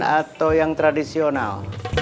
atau yang tradisional